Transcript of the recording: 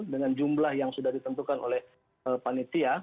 dengan jumlah yang sudah ditentukan oleh panitia